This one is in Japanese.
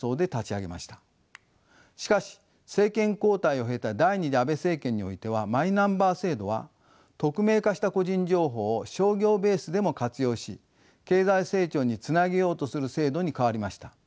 しかし政権交代を経た第２次安倍政権においてはマイナンバー制度は匿名化した個人情報を商業ベースでも活用し経済成長につなげようとする制度に変わりました。